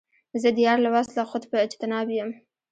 زه د یار له وصله خود په اجتناب یم